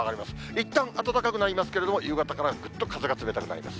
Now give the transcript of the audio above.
いったん、暖かくなりますけれども、夕方からぐっと風が冷たくなります。